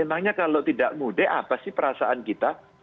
emangnya kalau tidak mudik apa sih perasaan kita